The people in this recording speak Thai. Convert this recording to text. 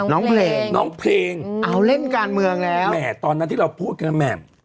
น้องเพลงน้องเพลงเอาเล่นการเมืองแล้วแหมตอนนั้นที่เราพูดกันแหม่ม